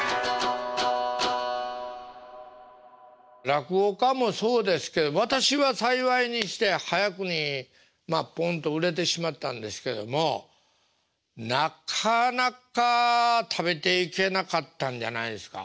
落語家もそうですけど私は幸いにして早くにまあポンと売れてしまったんですけどもなかなか食べていけなかったんじゃないですか？